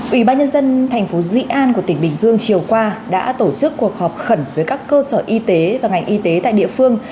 ủy ban nhân dân thành phố dị an của tỉnh bình dương chiều qua đã tổ chức cuộc họp khẩn với các cơ sở y tế và ngành y tế tại địa phương